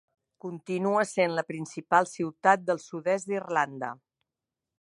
Continua sent la principal ciutat del sud-est d'Irlanda.